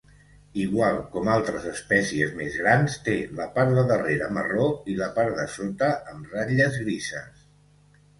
Igual com altres espècies més grans, té la part de darrere marró i la part de sota amb ratlles grises.